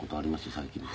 最近では。